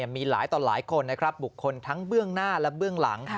มีหลายต่อหลายคนนะครับบุคคลทั้งเบื้องหน้าและเบื้องหลัง